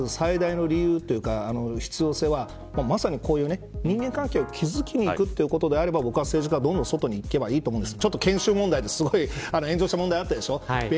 だから僕、政治家が海外に行く最大の理由というか必要性はまさにこういう人間関係を築きにくいということであれば僕は、政治家はどんどん外に行けばいいと思うんです。